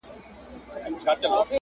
دا درېيم شکل ممکن خپله